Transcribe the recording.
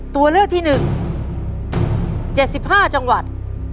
ตัวเลือกที่๑๗๕จังหวัด